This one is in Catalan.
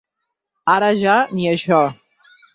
Ara ja ni això.